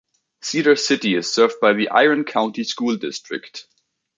Cedar City is served by the Iron County School District.